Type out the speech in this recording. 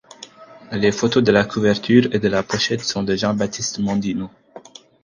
Les photos de la couverture et de la pochette sont de Jean-Baptiste Mondino.